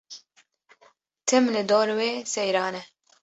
Tim li dor wê seyran e.